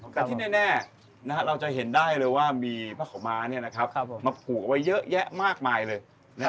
แต่ที่แน่เราจะเห็นได้เลยว่ามีผ้าขาวม้ามาผูกเอาไว้เยอะแยะมากมายเลย